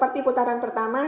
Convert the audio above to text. di putaran pertama